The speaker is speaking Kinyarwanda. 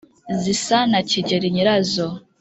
Zisa na Kigeli nyirazo;